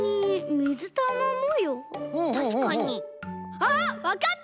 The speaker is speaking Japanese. あっわかった！